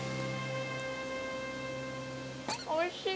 おいしい。